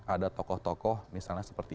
ada tokoh tokoh misalnya seperti